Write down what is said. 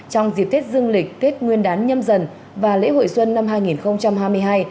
trong dịp tết dương lịch tết nguyên đán nhâm dần và lễ hội xuân năm hai nghìn hai mươi hai